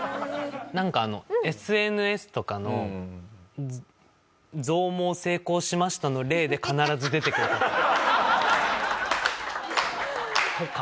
なんかあのＳＮＳとかの「増毛成功しました」の例で必ず出てくる方。とか。